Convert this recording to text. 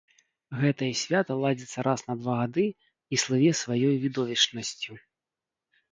Гэтае свята ладзіцца раз на два гады і слыве сваёй відовішчнасцю.